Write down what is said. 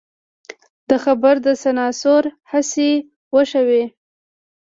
د خبر د سانسور هڅې وشوې.